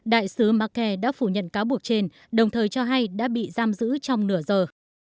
đại sứ marke đã phủ nhận cáo buộc trên đồng thời cho hay đã bị giam giữ trong nửa giờ